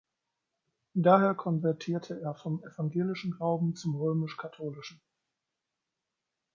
Daher konvertierte er vom evangelischen Glauben zum römisch-katholischen.